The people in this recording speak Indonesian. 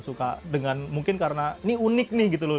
suka dengan mungkin karena ini unik nih gitu loh